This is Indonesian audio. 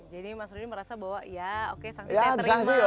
jadi mas rudi merasa bahwa ya oke sanksi teater itu